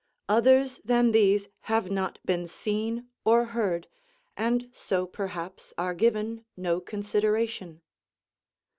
Others than these have not been seen or heard, and so perhaps are given no consideration.